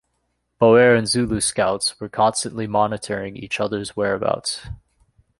Boer and Zulu scouts were constantly monitoring each other's whereabouts.